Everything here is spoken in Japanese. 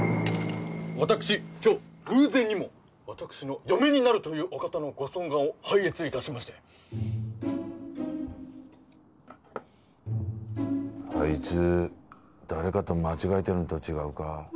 私今日偶然にも私の嫁になるというお方のご尊顔を拝謁いたしましてあいつ誰かと間違えてるんと違うか？